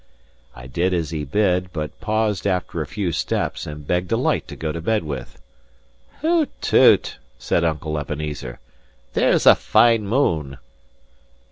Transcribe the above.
I did as he bid, but paused after a few steps, and begged a light to go to bed with. "Hoot toot!" said Uncle Ebenezer, "there's a fine moon."